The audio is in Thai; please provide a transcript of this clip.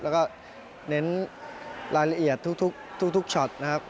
แล้วก็เน้นรายละเอียดทุกช็อตนะครับ